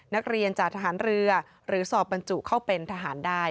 นักเรียนจากทหารเรือหรือสอบบรรจุเข้าเป็นทหารได้